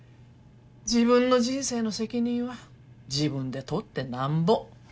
自分の人生の責任は自分でとってなんぼ。